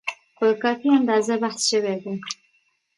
په کافي اندازه بحث شوی دی.